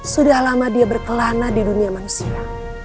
sudah lama dia berkelana di dunia manusia